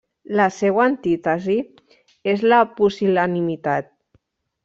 La seua antítesi és la pusil·lanimitat.